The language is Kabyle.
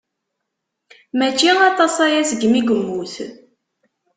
Mačči aṭas-aya seg mi yemmut.